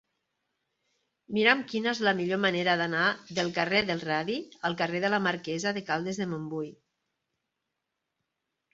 Mira'm quina és la millor manera d'anar del carrer del Radi al carrer de la Marquesa de Caldes de Montbui.